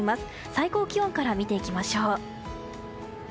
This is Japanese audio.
最高気温から見ていきましょう。